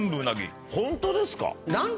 ホントですか。